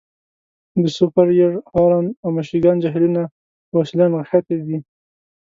د سوپریر، هورن او میشګان جهیلونه په وسیله نښتي دي.